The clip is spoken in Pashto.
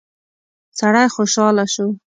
سړی خوشاله شو.